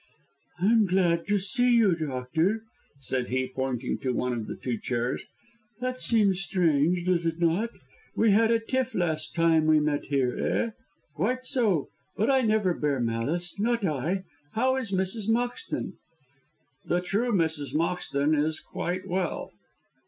"I am glad to see you, doctor," said he, pointing to one of the two chairs. "That seems strange, does it not? We had a tiff last time we met here, eh? Quite so. But I never bear malice, not I. How is Mrs. Moxton?" "The true Mrs. Moxton is quite well."